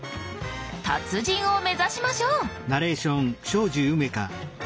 達人を目指しましょう！